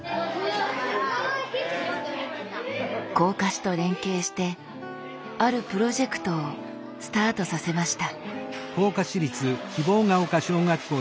甲賀市と連携してあるプロジェクトをスタートさせました。